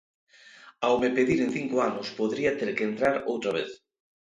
Ao me pediren cinco anos podería ter que entrar outra vez.